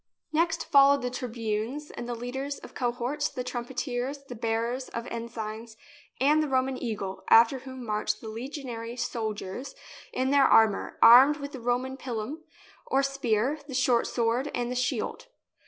Next followed the tribunes and the leaders of cohorts, the trumpeters, the bearers of ensigns and the Roman eagle, after whom marched the legionary soldiers in their armour, armed with the Roman pilum, or spear, the short sword, and the shield.